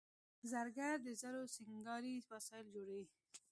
زرګر د زرو سینګاري وسایل جوړوي